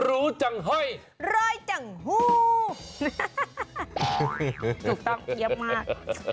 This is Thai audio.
ถูกต้องเยี่ยมมาก